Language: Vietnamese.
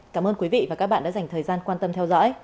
cảm ơn quý vị và các bạn đã dành thời gian quan tâm theo dõi